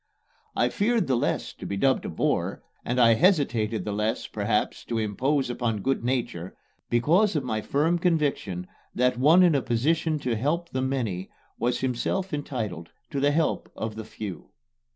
I feared the less to be dubbed a bore, and I hesitated the less, perhaps, to impose upon good nature, because of my firm conviction that one in a position to help the many was himself entitled to the help of the few.